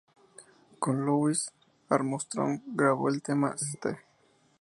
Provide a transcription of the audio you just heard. Con Louis Armstrong grabó el tema "St.